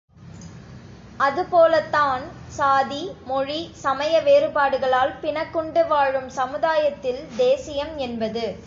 அதுபோலத்தான் சாதி, மொழி, சமய வேறுபாடுகளால் பிணக்குண்டு வாழும் சமுதாயத்தில் தேசியம் என்பது.